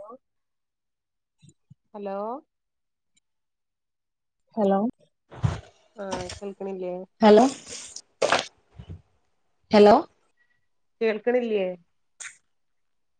Hello hello hello ആഹ് കേൾക്കണില്ലേ hello hello കേൾക്കണില്ലേ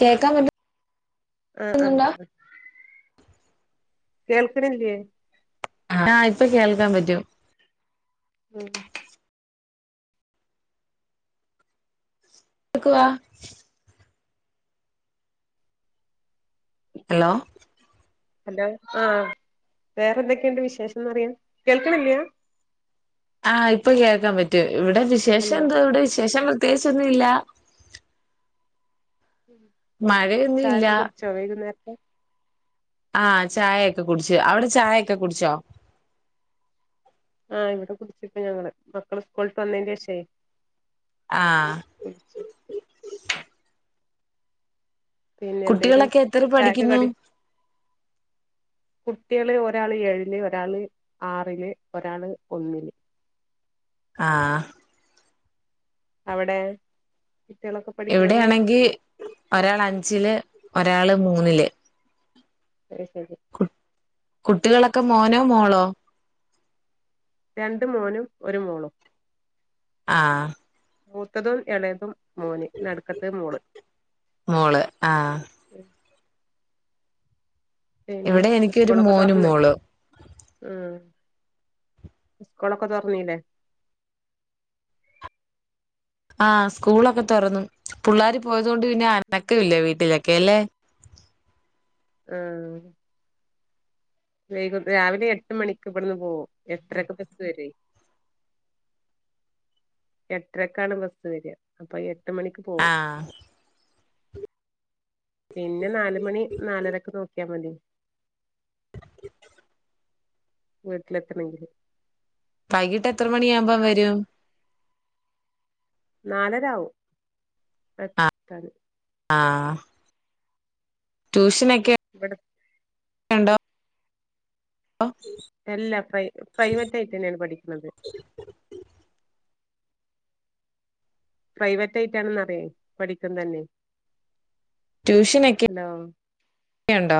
കേൾക്കാൻ [unintelligible] ആഹ് ആഹ് കേൾക്കിണ്ല്ലേ ആഹ് ഇപ്പൊ കേൾക്കാൻ പറ്റും ഉം എടുക്കുവാ ഹലോ ഹലോ ആഹ് വേറെ എന്തൊക്കെയുണ്ട് വിശേഷന്നറിയാൻ കേൾക്കണില്ല ആഹ് ഇപ്പൊ കേൾക്കാൻ പറ്റൂ ഇവിടെ വിശേഷം ഹലോ എന്തോ ഇവിടെ വിശേഷം പ്രത്യേകിച്ചൊന്നും ഇല്ല മഴയൊന്നും ഇല്ല ചായൊക്കെ കുടിച്ചോ വൈകുന്നേരത്തെ? ആഹ് ചായയൊക്കെ കുടിച്ചു അവിടെ ചായയൊക്കെ കുടിച്ചോ? ആഹ് ഇവിടെ കുടിച്ചിപ്പ ഞങ്ങള് മക്കള് സ്കൂൾട്ട് വന്നേൻ്റേഷേ. ആഹ് കുടിച്ചോ? പിന്നെന്തെയ്‌ന് കുട്ടികളൊക്കെ എത്ര ചായക്ക് പഠിക്കുന്നു കടി? കുട്ടിയാള് ഒരാള് ഏഴില് ഒരാള് ആറില് ഒരാള് ഒന്നില്. ആഹ് അവടെ? കട്ടിയാളൊക്കെ എവിടാണെങ്കി ഒരാള് അഞ്ചില് ഒരാള് മൂന്നില്. അയ് ശരി. കു കുട്ടികളൊക്കെ മോനോ മോളോ? രണ്ട് മോനും ഒരു മോളും. ആഹ് മൂത്തതും എളേതും മോന് നട്ക്കത്ത മോള്. മോള് ആഹ്. പിന്നെ ഇവിടെ എനിക്കൊരു സ്കൂളൊക്കെ മോനും തൊറ്ന്ന്. മോളും ഉം സ്കൂളൊക്കെ തൊറ്ന്നീല്ലേ? ആഹ് സ്കൂളൊക്കെ തൊറന്നു പുള്ളാര് പോയതോണ്ട് പിന്നെ അനക്ക ഇല്ല വീട്ടിലൊക്കെല്ലേ? മ്മ് വൈകു രാവിലെ എട്ട് മണിക്ക് ഇവിടുന്ന് പോവും. എട്ട്രക്ക് ബസ് വരോ. എട്ടരക്കാണ് ബസ്സ് വര. അപ്പൊ എട്ട് മണി ആഹ് പിന്നെ നാല് മണി നാലരക്ക് നോക്കിയാ മതി. വീട്ടിലെത്തണെങ്കില്. വൈകിട്ടെത്ര മണിയാവുമ്പം വരും? നാലരാവും എ ത്താന്. ആഹ് ട്യൂഷനെക്കെ ഇവടെ പ്പം എല്ല പ്രൈ പ്രൈവറ്റായിട്ടെന്നേണ് പഠിക്ക്ണത്. പ്രൈവറ്റായിട്ടാണന്നറിയെ പഠിക്കുന്നന്നെ. ട്യൂഷനൊക്കെ യുണ്ടോ?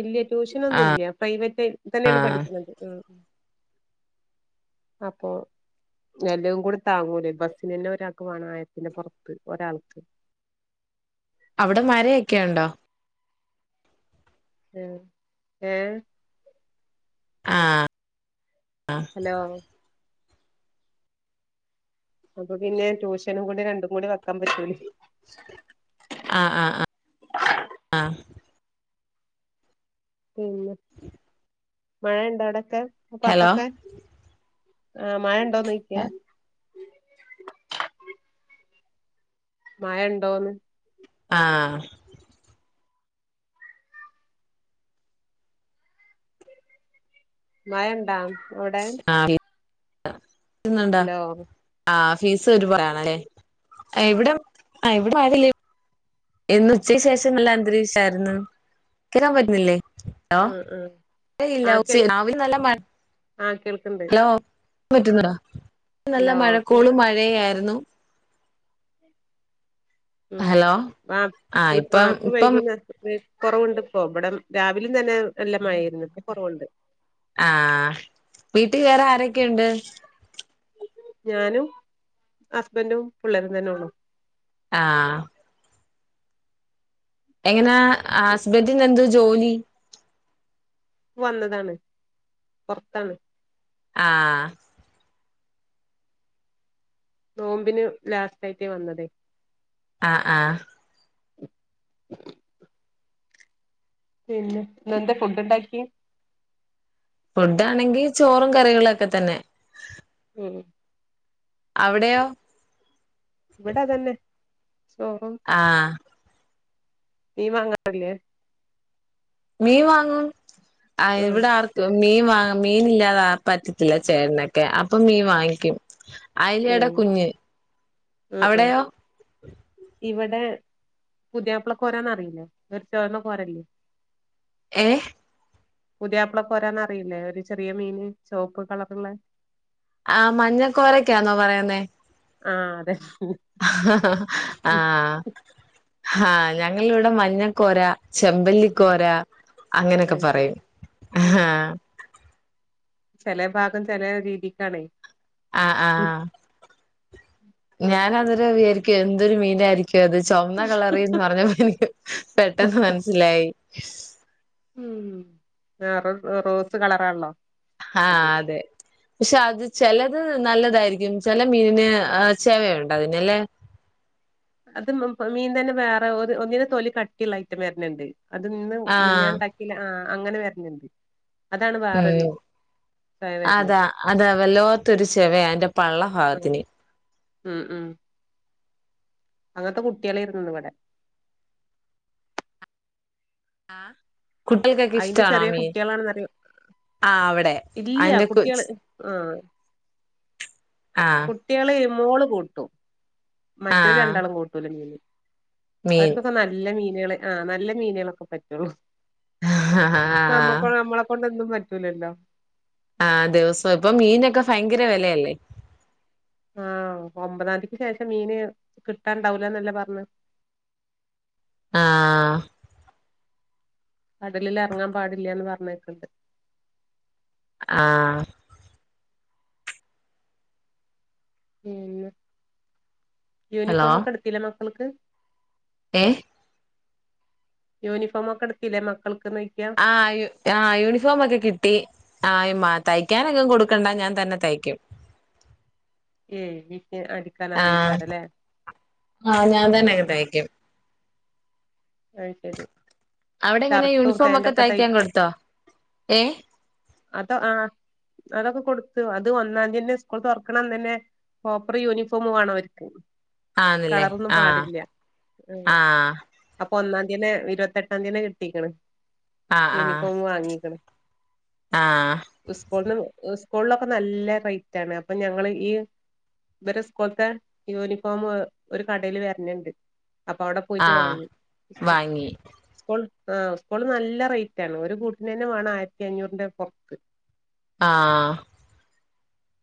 ഇല്ല ആഹ് ട്യൂഷനൊന്നുല്ല പ്രൈവറ്റായിട്ട് തന്നേണ് ആഹ് പഠിക്ക്ണത് ആഹ്. ആപ്പോ എല്ലവു കൂടി താങ്ങൂലേ ബസ്സിനെന്നെ ഒരാക്ക് വാണം ആയിരത്തിന്റെ പൊറത്ത് ഒരാൾക്ക്. അവിടെ മഴയൊക്കെയുണ്ടോ? അ് ഏഹ് ആഹ് അ ഹലോ അപ്പൊ പിന്നെ ട്യൂഷനും കൂടി രണ്ടും കൂടി വെക്കാൻ പറ്റൂലേ. ആഹ് ആഹ് ആഹ് ആഹ് പിന്നെ മഴണ്ടവ്ടൊക്കെ ഹലോ ആപ്പാത്തൊക്കെ? ആഹ് മഴ ഉണ്ടോന്നോയിക്കാ? മയണ്ടോന്ന്. ആഹ് മയണ്ട അവ്ടെ? ന്ന്ണ്ടാ ഹലോ ആഹ് ഫീസ് ഒരുപയാണ്ല്ലേ ഇവിടെ ഇവിടെ മ ഇന്ന് ഉച്ചക്ക് ശേഷം നല്ല അന്തരീക്ഷായിരുന്നു കേക്കാൻ പറ്റുന്നില്ലേ ഹലോ ഉം ഉം ഏയ് ഇല്ല ആ ഉച്ചെ കേൾ രാവിലെ നല്ല മഴ ആ കേൾക്കണ്ട് ഹലോ പറ്റുന്ന ടാ ന്ന് നല്ല ഹലോ മഴക്കോളും മഴയായിരുന്നു ഉം ഹലോ ആഹ് ഇപ്പം ഇപ്പക്ക് ഇപ്പം വൈകുന്നര്ച്ചിട്ട് കുറവുണ്ട്പ്പൊ ഇവിടെ രാവിലിം തന്നെ നല്ല മഴയായിരുന്നു ഇപ്പ കുറവ്ണ്ട് ആഹ് വീട്ടി വേറെ ആരൊക്കെണ്ട് ഞാനും ഹസ്ബൻറും പിള്ളേരും തന്നെള്ളു ആഹ് എങ്ങനെ ഹസ്ബൻ്റിന് എന്ത ജോലി പ്പോ വന്നതാണ് പൊറത്താണ് ആഹ് നോമ്പിന് ലാസ്റ്റയിട്ട് വന്നതേയ്നു ആഹ് ആഹ് പിന്നെ ഇന്നേന്തെ ഫുഡ്ണ്ടാക്കി ഫുഡ്‌ ആണെങ്കി ചോറും കറികളും ഒക്കെ തന്നെ ഉം അവിടെയോ ഇവിടെ അതന്നെ ചോറും ആഹ് മീൻ വാങ്ങാറില്ലേ മീൻ വാങ്ങും അയ് ആഹ് ഇവിടെ ആർ ക്കും മീൻ വാ മീൻ ഇല്ലാതെ പറ്റത്തില്ല ചേടനൊക്കെ അപ്പൊ മീൻ വാങ്ങിക്കും അയലടെ കുഞ്ഞ് ആഹ് ആഹ് അവിടെയോ ഇവടെ പുതിയപ്പള കോരന്ന്റിയില്ലെ ഒരു ച്ചോന്ന കോരല്ലേ ഏഹ് പുതിയയാപ്പള കോരാന്നറിയില്ലേ ഒരു ചെറിയ മീന് ചോപ്പ് കളറുള്ള ആഹ് മഞ്ഞക്കോരക്കാന്നോ പറയുന്നേ ആഹ് അതെ ആഹ് ആഹ് ഞങ്ങളിവിടെ മഞ്ഞക്കോര ചെമ്പല്ലിക്കോര അങ്ങനെയൊക്കെ അത് ശരി പറയും ഉം ആഹ് ചെല ഭാഗം ചെല രീതിക്കാണേ ആഹ് ആഹ് ഞാൻ അതരെ വിചാരിക്കും എന്തൊരു മീനായിരിക് ത് ചൊവന്ന കളറിന്ന് പറഞ്ഞപ്പോ എനിക്ക് പെട്ടെന്ന് മനസ്സിലായി ഉം വേറ റോസ് കളറാള്ളോ ആഹ് അതെ പക്ഷെ അത് ചെലത് നല്ലതായിരിക്കും ചെല മീനിന് ചെവയുണ്ട് അതിന് ല്ലേ അത് മീൻ തന്നെ വേറെഒ ഒന്നിന് തൊലി കട്ടിള്ള ഐറ്റം വെര്ന്ണ്ട് അത് ന്ന് ആഹ് മിനിഞ്ഞാന്ന് ണ്ടാക്കീല് ആഹ് അങ്ങനെ വരണ് ണ്ട് ഉം അതാ വരണത് അതാ വല്ലോത്തൊരു ചെവയാ അയ്ന്റെ ഉം പള്ളഫാഗത്തിന് ഉം ഉം അങ്ങനത്തെ കുട്ടിയാളെയിരുന്നു ഇന്ന് വ്ടെ ആഹ് കുട്ടികൾക്കൊക്കെ അയ്ന്റെ ഇഷ്ടാണോ ആ ചെറ്യേ മീൻ കുട്ടികളാണ്ന്നറിയ ആഹ് അവിടെ ഇല്ല്യ അയിന്റെ കൊച്ച് കുട്ടിയാള് ആഹ് ആഹ് ട്ടിയാളേ മോള് കൂട്ടും മറ്റോര് ആഹ് രണ്ടാളും കൂട്ടൂല മീൻ മീൻ അവര്ക്കൊക്കെ നല്ല മീന്യള് ആഹ് നല്ല മീനളൊക്ക പറ്റോള്ളു ആഹ് ഇപ്പോ നമ്മക്കോ നമ്മളെ കൊണ്ടൊന്നും പറ്റൂല്ലല്ലോ ആഹ് ദിവസോം ഇപ്പൊ മീനെക്കെ ഫയങ്കര വെലയല്ലേ ആഹ് ഒമ്പതാന്തിക്ക് ശേഷം മീന് കിട്ടാണ്ടാവൂലാന്നല്ലേ പറഞ്ഞേ ആഹ് കടലില് എറങ്ങാൻ പാടില്ല്യാന്ന് പറഞ്ഞേക്ക്ണ്ട് ആഹ് പിന്നെ ഹലോ യൂനിഫോമൊക്കെ ഇട്ത്തിലെ മക്കൾക്ക് ഏഹ് യൂനിഫോമൊക്കെ എട്‌ത്തിലെ മക്കൾക്ക്ന്നോയിക്കാ ആഹ് യൂ ആഹ് യൂണിഫോമൊക്കെ കിട്ടി ആയമ്മാ തയ്ക്കാനെങ്ങും കൊട്ക്കണ്ട ഞാൻ തന്നെ തയ്ക്കും ഏനിക്ക് ആഹ് അടിക്കാനറിയേക്കാരല്ലേ ആഹ് ഞാൻ ഉം തന്നെയൊക്കെ ഉം തയ്ക്കും അഹ് ശരി അവിടെ എങ്ങനെ ഷർട്ടും യൂണിഫോം ഒക്കെ ഫേന്റൊക്കെ തയ്ക്കാൻ തയ്ക്കും കൊടുത്തോ ഏഹ് അതോ ആഹ് അതൊക്കെ കൊട്ത്ത് അത് ഒന്നാന്തിയന്നെ സ്ക്കൂള് തൊറ്ക്ക്ണ അന്നന്നേ പ്രോപ്പർ യൂണിഫോമ് വാണം ഓര്ക്ക് ആന്നല്ലേ കളറൊന്നും ആഹ് പാടില്ല ഉം ആഹ് അപ്പൊ ഒന്നാന്തിയന്നെ ഇരുവത്തെട്ടാന്തിയെന്നെ കിട്ടീക്ക്ണ് ആഹ് ആഹ് യൂനിഫോമ് വാങ്ങീക്ക്ണ് ആഹ് സ്കൂള് സ്ക്കൂള്ലൊക്കെ നല്ല റൈറ്റാണ് അപ്പം ഞങ്ങള് ഇ വരെ സ്കൂള്ത്തെ യൂനിഫോമ് ഒരു കടേല് വര്ന്ണ്ട് അപ്പൊ അവടെ പോയിട്ട് ആഹ് വാങ്ങി വാങ്ങി ഇപ്പോൾ ആഹ് ഇപ്പളും നല്ല റൈറ്റാണ് ഒരു കൂട്ട്നന്നെ വാണം ആയിരത്തിയഞ്ഞൂറ്ന്റെ പൊറത്ത് ആഹ്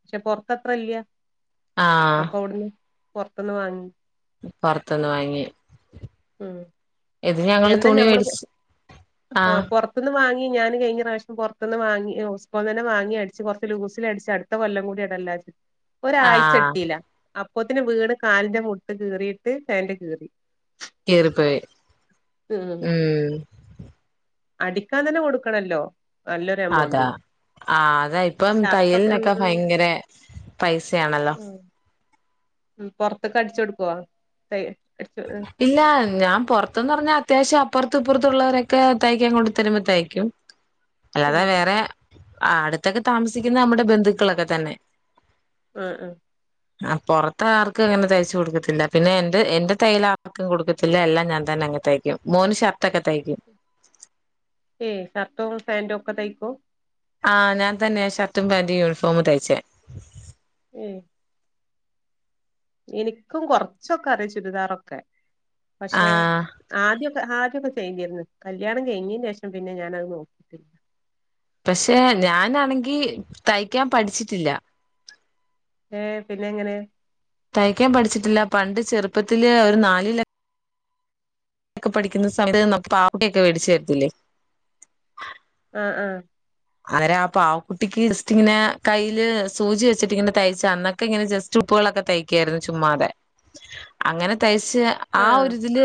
പക്ഷേ പൊറത്ത അത്രയില്ല്യാ ആഹ് അപ്പം അവട്ന്ന് പൊറത്ത്ന്ന് വാങ്ങി പൊറത്ത്ന്ന് വാങ്ങി ഉം ഇത് ഞങ്ങള് എന്താ തുണി ഞമ്മള്പ്പ് മേടിച്ച് ആഹ് പൊറ ത്ത്ന്ന് വാങ്ങി ഞാന് കഴിഞ്ഞ പ്രാവശ്യം പൊറത്ത്ന്ന് വാങ്ങി സ്ക്കൂള്ന്നന്നെ വാങ്ങി അടിച്ച് കൊറച്ച് ലൂസില് അടിച്ച് അട്ത്ത കൊല്ലക്കൂടി ഇടല്ലോച്ച് ഒരാഴ്ച ആഹ് ഇട്ടീല്ല അപ്പോത്തിന് വീണ് കാലിന്റെ മുട്ട് കീറീട്ട് ഫേന്റ് കീറി കീറി പോയി ഉം അടിക്കാനെന്ന കൊട്ക്കണല്ലോ അതാ ആഹ് അതെ ഇപ്പം ഷർട്ടൊക്കെ തയ്യല്നെക്കെ ഉം ഭയങ്കര പൈസയാണല്ലോ ഉം പൊറത്ത്ക്കടിച്ചൊട്ക്കോ തയെ അടിച്ച് ആഹ് ഇല്ല ഞാൻ പൊറത്ത്ന്ന് പറിഞ്ഞാ അത്യാവശ്യം അപ്പോറ്ത്തും ഇപ്പോറ്ത്തും ഇള്ളവരൊക്കെ തയ്ക്കാ കൊണ്ട് തരുമ്പോ തയ്ക്കും ഉം അല്ലാതെ വേറെ ആഹ് അട്ത്തൊക്കെ താമസിക്കിന്ന ഞമ്മളെ ബന്ധുക്കളെക്കെ തന്നെ ആഹ് ആഹ് ആഹ് പൊറത്താർക്കും അങ്ങനെ തയ്ച്ചു കൊടുക്കത്തില്ല പിന്നെ എന്റെ എന്റെ തയ്യലാർക്കും കൊടുക്കത്തില്ല എല്ലാം ഞാൻ തന്നെയങ്ങ് തയ്ക്കും മോന് ഷർട്ടൊക്കെ തയ്ക്കും ഏഹ് ഷർട്ടും ഫേന്റൊക്കെ തയ്ക്കും ആഹ് ഞാൻ തന്നേ ഷർട്ടും പേന്റും യൂണിഫോമ് തയ്ച്ചേ ഏഹ് ഇനിക്കും കൊറച്ചൊക്കെ അറിയാ ചുരിദാറൊക്കെ ആ പക്ഷേ ആദ്യൊക്കെ ആദ്യൊക്കെ ചെയ്തീര്ന്ന് കല്ല്യാണം കഴിഞ്ഞേന്റേഷം പിന്നെ ഞാനത് നോ പക്ഷേ ഞാനാണെങ്കി തയ്ക്കാന് പഠിച്ചിട്ടില്ല ഏഹ് പിന്നെ എങ്ങനെ തയ്ക്കാൻ പഠിച്ചിട്ടില്ല പണ്ട് ചെറുപ്പത്തില് നാല് ക്കെ പഠിക്കുന്ന സമയത്ത് പാവാടയൊക്കെ വേടിച് തരില്ലേ ആഹ് ആഹ് ആരാ പാവക്കുട്ടിക്ക് ജസ്റ്റ്ങ്ങനെ കയ്ല് സൂചിവെച്ചിട്ട് തയ്ച്ചന്ന് ഇങ്ങനെ ജെസ്റ്റ് ഉപ്പുവെളൊക്കെ തയ്ക്കായിരുന്നു ചുമ്മാതെ അങ്ങനെ തയ്ച്ച് ആഹ് ഒരിതില്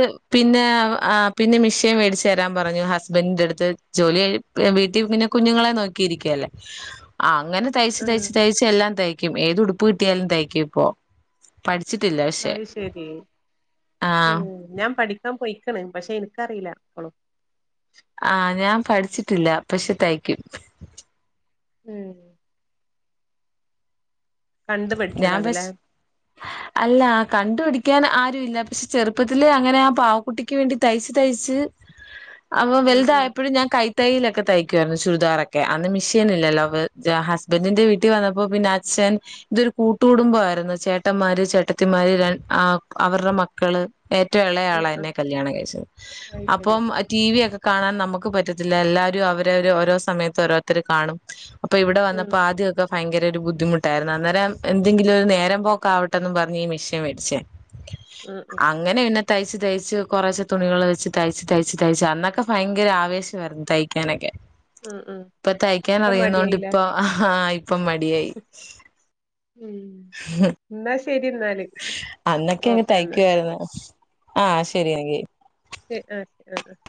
പിന്നെ മെഷീൻ വെടിച്ച് തരാൻ പറഞ്ഞു ഹസ്ന്റിന്റെടുത്ത് ജോലിയായി വീട്ടില് ഇര് ഉം കുഞ്ഞുങ്ങളെ നോക്കിയിരിക്കല്ലേ ആഹ് അങ്ങനെ തയ്ച്ച് ആഹ് തയ്ച്ച് തയ്ച്ച് പ്പെ എല്ലാം തയ്ക്കും ഏത് ഉടുപ്പ് കിട്ടിയാലും തയ്ക്കും ഇപ്പോ പഠിച്ചിട്ടില്ല പക്ഷെ അത് ശെരി ആഹ് ഉം ഞാൻ പഠിക്കാൻ പോയിക്ണ് പക്ഷെ എനിക്കറില്ല ഇപ്പളും ആഹ് ഞാൻ പഠിച്ചിട്ടില്ല പക്ഷെ തയ്ക്കും [unintelligible] കണ്ട് ഞാൻ പഠിച്ചതാണ്ല്ലേ പഷ് അല്ല കണ്ടുപഠിക്കാൻ ആരും ഇല്ല പക്ഷെ ചെറുപ്പത്തില് അങ്ങനെ ആഹ് പാവക്കുട്ടിക്ക് വേണ്ടി തയ്ച്ച്‌ തയ്ച്ച് അപ്പ ഉം ഉം വെൽതായപ്പഴും ഞാൻ കയ് തേയ്ലൊക്കെ തയ്ക്കുവായിരുന്നു ചുരിദാറൊക്കെ അന്ന് മെഷീനില്ലല്ലോ ഹസ്ബന്റിന്റെ വീട്ടിൽ വന്നപ്പോ പിന്നെ ഛൻ ഇതൊരു കൂട്ടുകടുംബ ആയിരുന്നു ചേട്ടന്മാര്, ചേട്ടത്തിമാര്, രൻ ആഹ് അവരുടെ മക്കള് ഏറ്റവും എളയ ഉം ആളാ എന്നെ ഉം കല്യാണം കഴിച്ചത് അത് ശരി അപ്പം ടിവി ഒക്കെ കാണാൻ നമ്മക്ക് പറ്റത്തില്ല എല്ലാരും അവര് അവര് ഓരോ സമയത്ത് ഓരോരുത്തർ കാണും അപ്പൊ ഇവിടെ ഉം വന്നപ്പോ ആദ്യക്കെ ഭയങ്കര ഒരു ബുദ്ധിമുട്ടായിരുന്നു അന്നേരം എന്തെങ്കില് ഒരു നേരം പോകാവട്ടെന്ന് പർഞ് ഈ മിഷിൻ മേടിച്ചെ ഉം ഉം അങ്ങ അങ്ങനെണ് തയ്ച്ച് തയ്ച്ച് കോറച്ച്‌ തുണികള് വെച്ച് തയ്ച്ച് തയ്ച്ച് തയ്ച്ച്‌ അന്നൊക്കെ ഭയങ്കര ആവേശായിരുന്നു തയ് ക്കാനൊക്കെ ഉം ഉം ഇപ്പ തയ്ക്കാൻ ഇപ്പൊ അറിയുന്നൊണ്ട് മടിയായില്ലേ ഇപ്പ ആഹ് ഇപ്പൊ മടിയായി ഉം ഹ ഇന്നാ ശെരിന്നാ അന്നൊക്കെ അങ്ങ് തയ്ക്കായിരുന്നു ആഹ് ശെരി എന്നാ [unintelligible]